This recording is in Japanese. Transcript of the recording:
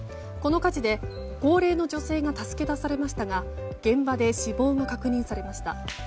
この火事で、高齢の女性が助け出されましたが現場で死亡が確認されました。